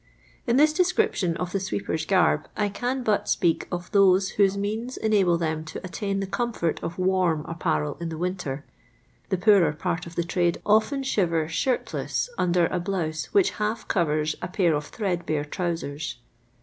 In this descrip tion of the sweeper's garb I can but speak of those whose means enable them to attain the comfort of warm apparel in the winter; the poorer part of the trade often shiver shirtless under a blouse which half covers a pair of threadbare trowsers.